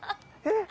えっ？